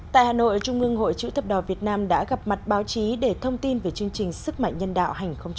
tại hà nội trung ương hội chữ thập đỏ việt nam đã gặp mặt báo chí để thông tin về chương trình sức mạnh nhân đạo hai nghìn hai mươi